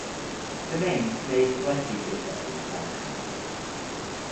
The names may slightly differ in some countries.